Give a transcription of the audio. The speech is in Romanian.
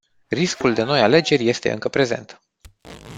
Riscul de noi alegeri este încă prezent.